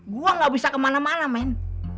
gue gak bisa kemana mana main